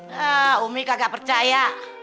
haa umi kagak percaya